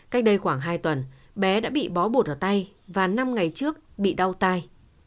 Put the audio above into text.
cách đây khoảng hai tuần bé đã bị bó bột ở tay và năm ngày trước bị đau tay